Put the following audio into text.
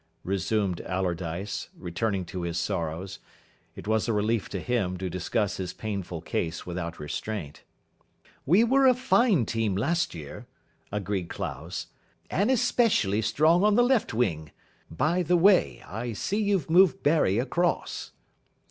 resumed Allardyce, returning to his sorrows. It was a relief to him to discuss his painful case without restraint. "We were a fine team last year," agreed Clowes, "and especially strong on the left wing. By the way, I see you've moved Barry across."